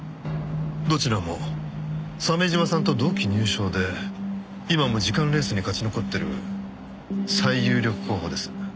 どちらも鮫島さんと同期入省で今も次官レースに勝ち残ってる最有力候補です。